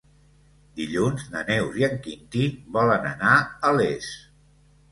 Dilluns na Neus i en Quintí volen anar a Les.